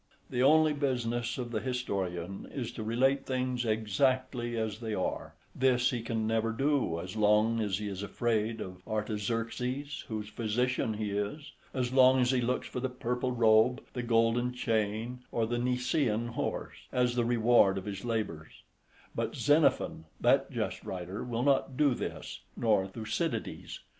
The only business of the historian is to relate things exactly as they are: this he can never do as long as he is afraid of Artaxerxes, whose physician {55a} he is; as long as he looks for the purple robe, the golden chain, or the Nisaean horse, {55b} as the reward of his labours; but Xenophon, that just writer, will not do this, nor Thucydides.